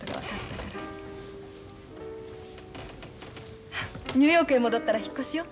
ハッニューヨークへ戻ったら引っ越しよ。